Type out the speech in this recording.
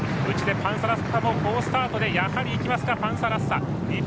パンサラッサも好スタートでやはりいきますか、パンサラッサ。